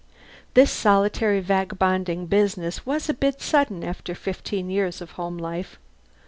This solitary vagabonding business was a bit sudden after fifteen years of home life.